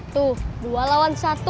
tuh dua lawan satu